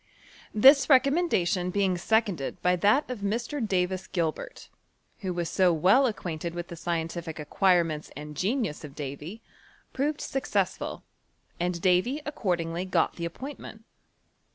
This recommendation being seconded by that of Mr, Davis Gilbert, who was so well ac quainted wilh the scientific acquirements and gentua of Davy, proved successful, and Davy accordinglji got the appointment.